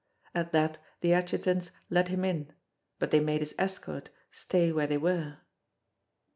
At that the adjutants led him in, but they made his escort stay where they were.